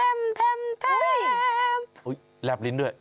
โอ้ยแรบลิ้นด้วย